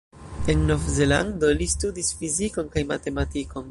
En Novzelando, li studis fizikon kaj matematikon.